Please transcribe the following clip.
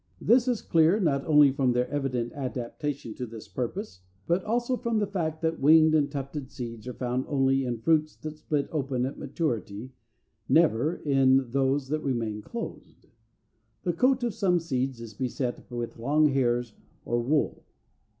This is clear, not only from their evident adaptation to this purpose, but also from the fact that winged and tufted seeds are found only in fruits that split open at maturity, never in those that remain closed. The coat of some seeds is beset with long hairs or wool.